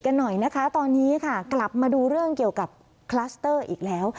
กันหน่อยนะคะตอนนี้ค่ะกลับมาดูเรื่องเกี่ยวกับคลัสเตอร์อีกแล้ว